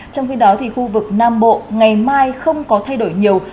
trong khi đó khu vực nam bộ ngày mai không có thay đổi nhiều